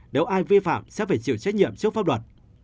nếu ai vi phạm sẽ phải chịu trách nhiệm trước pháp luật